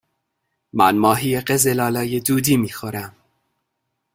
من ماهی قزل آلا دودی می خورم.